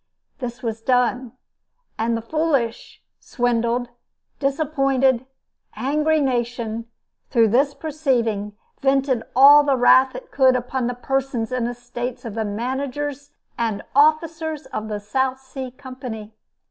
This was done; and the foolish, swindled, disappointed, angry nation, through this proceeding, vented all the wrath it could upon the persons and estates of the managers and officers of the South Sea Company.